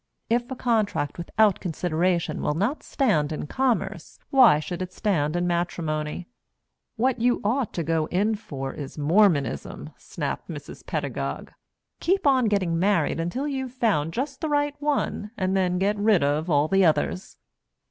If a contract without consideration will not stand in commerce, why should it in matrimony?" "What you ought to go in for is Mormonism," snapped Mrs. Pedagog. "Keep on getting married until you've found just the right one and then get rid of all the others."